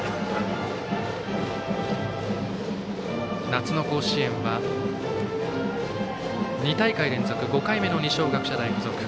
夏の甲子園は２大会連続５回目の二松学舎大付属。